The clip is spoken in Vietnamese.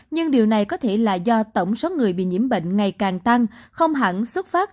nhưng điều này có thể là do tổng số người bị nhiễm bệnh ngày càng tăng không hẳn xuất phát